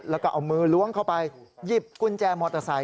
แล้วก็เอามือล้วงเข้าไปหยิบกุญแจมอเตอร์ไซค